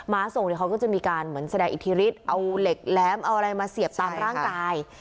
้าทรงเนี่ยเขาก็จะมีการเหมือนแสดงอิทธิฤทธิ์เอาเหล็กแหลมเอาอะไรมาเสียบตามร่างกาย